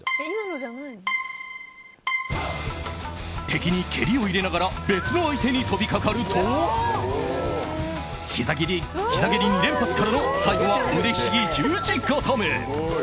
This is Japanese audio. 敵に蹴りを入れながら別の相手に飛びかかるとひざ蹴り２連発からの最後は腕ひしぎ十字固め。